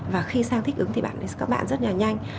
và khi sang thích ứng thì bạn các bạn rất là nhanh